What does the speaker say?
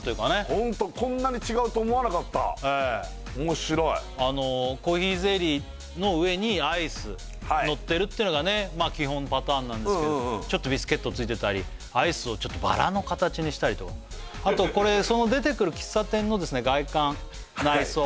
ホントこんなに違うと思わなかったおもしろいコーヒーゼリーの上にアイスのってるっていうのが基本パターンなんですけどちょっとビスケット付いてたりアイスをバラの形にしたりとかあとこれ出てくる喫茶店の外観内装